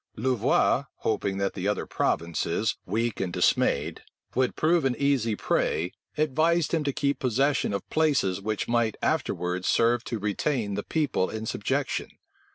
Louvois, hoping that the other provinces, weak and dismayed, would prove an easy prey, advised him to keep possession of places which might afterwards serve to retain the people in subjection.